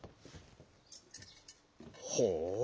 「ほう。